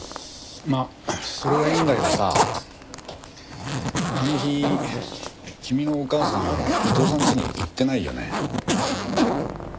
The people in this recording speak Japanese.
まあそれはいいんだけどさあの日君のお母さん伊藤さんちに行ってないよね？